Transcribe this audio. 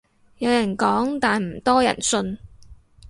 有人講但唔多人信